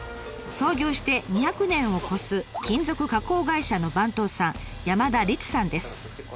創業して２００年を超す金属加工会社の番頭さん